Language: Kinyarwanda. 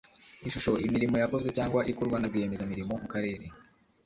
Ishusho Imirimo yakozwe cyangwa ikorwa na Rwiyemezamirimo mu karere